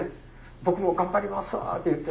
「僕も頑張ります」って言って。